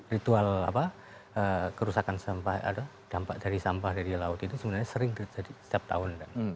ritual kerusakan sampah dampak dari sampah dari laut itu sebenarnya sering terjadi setiap tahun